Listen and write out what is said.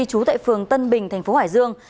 chú tại phường tân bình thành phố hải dương